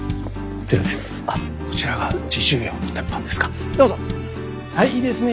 こちらが磁州窯の鉄斑ですか。